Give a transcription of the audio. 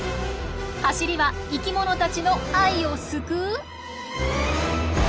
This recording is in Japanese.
走りは生きものたちの愛を救う？